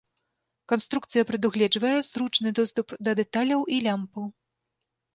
Канструкцыя прадугледжвае зручны доступ да дэталяў і лямпаў.